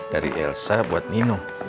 dari elsa buat mino